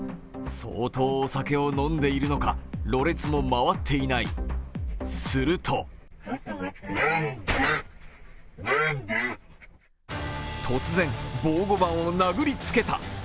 相当、お酒を飲んでいるのかろれつも回っていない、すると突然、防護板を殴りつけた。